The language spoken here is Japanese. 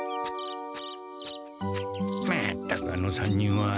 まったくあの３人は。